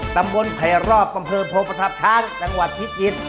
ตำบลไพรออบบำเผินโภพภาพช้างจังหวัดพิจิตร